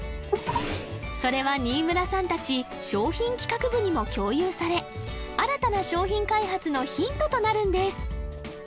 それは新村さん達商品企画部にも共有され新たな商品開発のヒントとなるんです